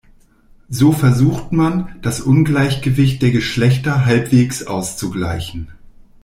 So versucht man, das Ungleichgewicht der Geschlechter halbwegs auszugleichen.